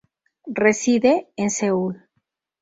Reside en Seúl.